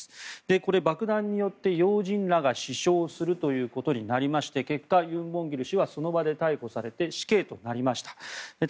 これ、爆弾によって要人らが死傷するということになりまして結果、ユン・ボンギル氏はその場で逮捕されて死刑となりました。